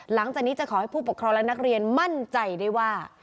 หลังจากนี้จะขอให้ผู้ปกครองและนักเรียนมั่นใจได้ว่า